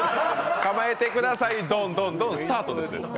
構えてくださいドン、ドン、ドン、スタートです。